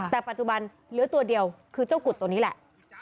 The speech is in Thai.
แต่ปัจจุบันเหลือตัวเดียวคือเจ้ากุดตัวนี้แหละ